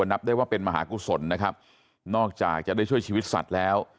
นับได้ว่าเป็นมหากุศลนะครับนอกจากจะได้ช่วยชีวิตสัตว์แล้ว